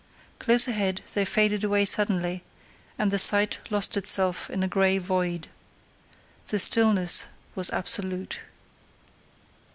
Close ahead they faded away suddenly, and the sight lost itself in a grey void. The stillness was absolute.